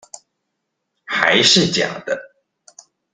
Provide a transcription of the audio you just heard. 還是假的